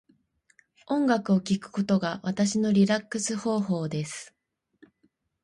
音楽を聴くことが私のリラックス方法です。